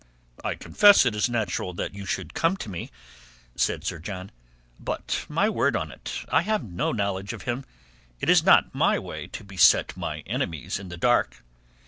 "I confess it is natural you should come to me," said Sir John. "But, my word on it, I have no knowledge of him. It is not my way to beset my enemies in the dark."